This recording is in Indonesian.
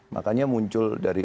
makanya muncul dari